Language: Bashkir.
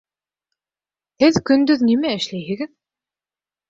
Һеҙ көндөҙ нимә эшләйһегеҙ?